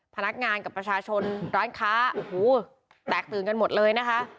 พนักงานกับประชาชนร้านค้าโอ้โหแตกตื่นกันหมดเลยนะคะ